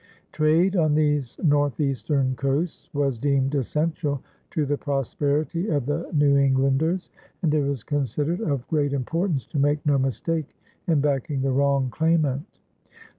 Trade on these northeastern coasts was deemed essential to the prosperity of the New Englanders, and it was considered of great importance to make no mistake in backing the wrong claimant.